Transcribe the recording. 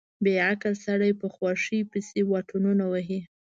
بې عقل سړی په خوښۍ پسې واټنونه وهي.